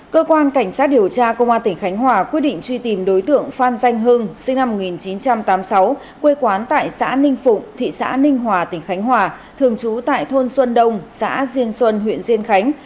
cơ quan cảnh sát điều tra công an tỉnh khánh hòa quyết định truy tìm đối tượng phan danh hưng sinh năm một nghìn chín trăm tám mươi sáu quê quán tại xã ninh phụng thị xã ninh hòa tỉnh khánh hòa thường trú tại thôn xuân đông xã diên xuân huyện diên khánh